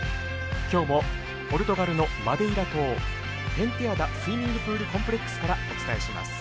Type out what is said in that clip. きょうもポルトガルのマデイラ島ペンテアダスイミングプールコンプレックスからお伝えします。